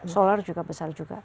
solar juga besar juga